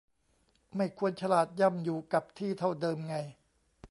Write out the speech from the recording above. ไม่ควรฉลาดย่ำอยู่กับที่เท่าเดิมไง